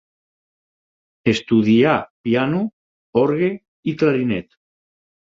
Estudià piano, orgue i clarinet.